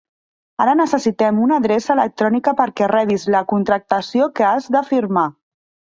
Ara necessitem una adreça electrònica perquè rebis la contractació que has de firmar.